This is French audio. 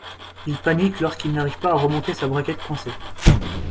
Il panique lorsqu'il n'arrive pas à remonter sa braguette coincée.